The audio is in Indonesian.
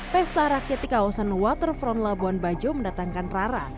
pesta rakyat di kawasan waterfront labuan bajo mendatangkan rara